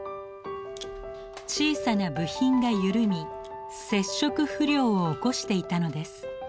小さな部品が緩み接触不良を起こしていたのです。